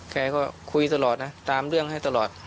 แกก็คุยตลอดนะตามเรื่องให้ตลอด